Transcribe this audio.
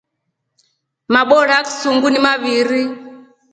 Mabora aksunguu nemaviiri.